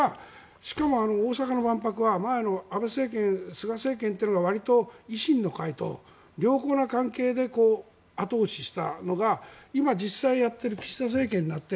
しかも、大阪の万博は前の安倍政権、菅政権というのがわりと維新の会と良好な関係で後押ししたのが今、実際やっている岸田政権だって